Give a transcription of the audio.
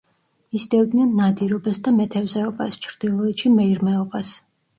მისდევდნენ ნადირობას და მეთევზეობას, ჩრდილოეთში მეირმეობას.